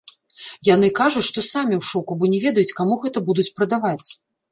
Яны кажуць, што самі ў шоку, бо не ведаюць каму гэта будуць прадаваць.